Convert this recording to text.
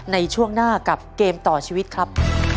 ในช่วงหน้ากับเกมต่อชีวิตครับ